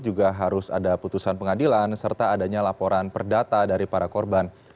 juga harus ada putusan pengadilan serta adanya laporan perdata dari para korban